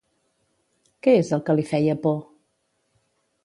Què és el que li feia por?